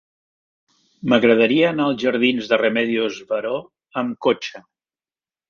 M'agradaria anar als jardins de Remedios Varó amb cotxe.